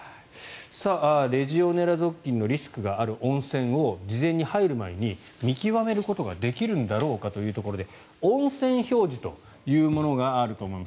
レジオネラ属菌のリスクがある温泉を事前に入る前に見極めることができるんだろうかというところで温泉表示というものがあると思います。